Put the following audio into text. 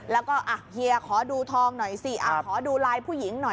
แล้วก็เฮียขอดูทองหน่อยสิขอดูไลน์ผู้หญิงหน่อย